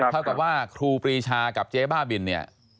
เท่ากับว่าครูปรีชากับเจ๊บ้าบินเนี่ย